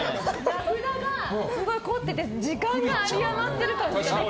名札がすごい凝っていて時間があり余ってる感が。